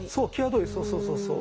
そうそうそうそう。